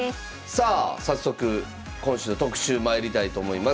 さあ早速今週の特集まいりたいと思います。